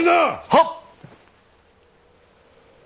はっ！